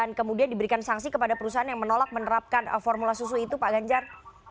dan kemudian diberikan sanksi kepada perusahaan yang menolak menerapkan formula susu itu pak ganjar